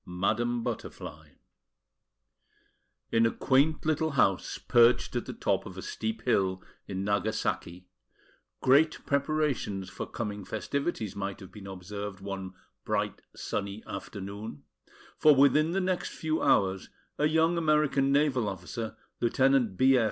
MADAM BUTTERFLY In a quaint little house perched at the top of a steep hill in Nagasaki, great preparations for coming festivities might have been observed one bright sunny afternoon; for within the next few hours, a young American naval officer, Lieutenant B.